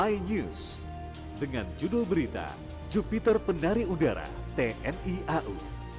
inews dengan judul berita jupiter penari udara tni au